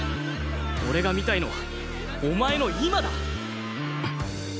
俺が見たいのはお前の「今」だ！